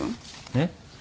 えっ？